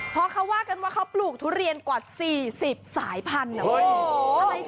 เพราะเขาว่ากันว่าเขาปลูกทุเรียนกว่าสี่สิบสายพันธุ์เหรอโอ้โห